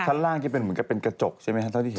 ชั้นล่างจะเป็นเหมือนกับเป็นกระจกใช่ไหมครับเท่าที่เห็น